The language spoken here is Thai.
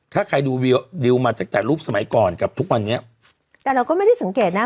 ถ้าใครดูวิวดิวมาตั้งแต่รูปสมัยก่อนกับทุกวันนี้แต่เราก็ไม่ได้สังเกตนะ